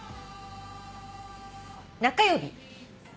中指。